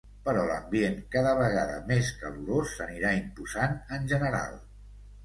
Però l’ambient cada vegada més calorós s’anirà imposant en general.